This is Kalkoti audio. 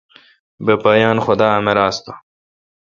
بہ پا یان خدا امر آس تہ۔